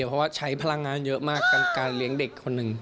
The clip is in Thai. เพราะว่าใช้พลังงานเยอะมากกับการเลี้ยงเด็กคนหนึ่ง